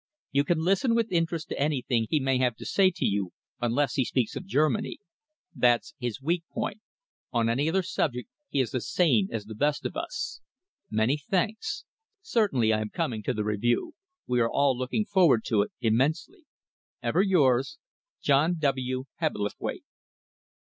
You can listen with interest to anything he may have to say to you, unless he speaks of Germany. That's his weak point. On any other subject he is as sane as the best of us. "Many thanks. Certainly I am coming to the Review. We are all looking forward to it immensely. "Ever yours, "JOHN W. HEBBLETHWAITE."